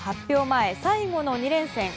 前最後の２連戦。